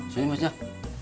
sini mas jak